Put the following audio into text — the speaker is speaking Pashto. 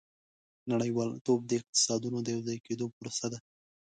• نړیوالتوب د اقتصادونو د یوځای کېدو پروسه ده.